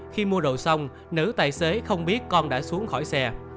khi mua đồ xong nữ tài xế không biết con đã xuống khỏi xe